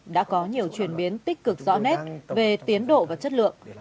đã có nhiều chuyển biến tích cực rõ nét về tiến độ và chất lượng